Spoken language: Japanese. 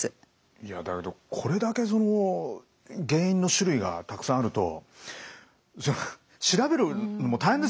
いやだけどこれだけその原因の種類がたくさんあると調べるのも大変ですよね？